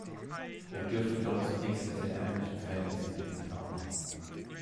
Er dürfte dort zunächst in sehr ärmlichen Verhältnissen gelebt haben.